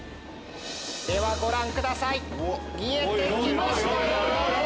ではご覧ください見えて来ましたよ！